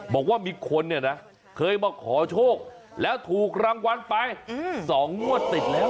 บอกว่ามีคนเนี่ยนะเคยมาขอโชคแล้วถูกรางวัลไป๒งวดติดแล้ว